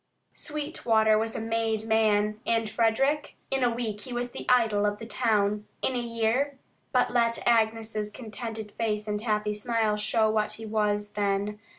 ...... Sweetwater was a made man. And Frederick? In a week he was the idol of the town. In a year but let Agnes's contented face and happy smile show what he was then.